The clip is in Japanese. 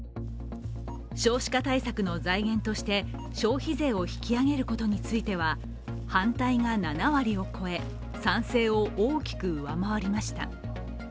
少子化対策の財源として消費税を引き上げることについては反対が７割を超え、賛成を大きく上回りました。